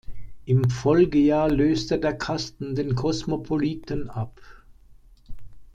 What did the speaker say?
Im Folgejahr löste der Custom den Cosmopolitan ab.